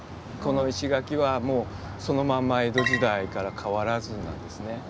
この石垣はもうそのまんま江戸時代から変わらずなんですね。